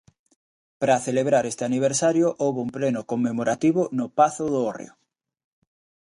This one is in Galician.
Para celebrar este aniversario houbo un pleno conmemorativo no Pazo do Hórreo.